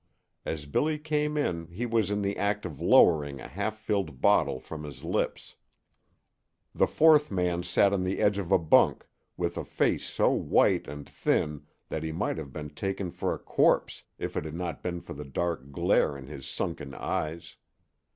As Billy came in he was in the act of lowering a half filled bottle from his lips. The fourth man sat on the edge of a bunk, with a face so white and thin that he might have been taken for a corpse if it had not been for the dark glare in his sunken eyes.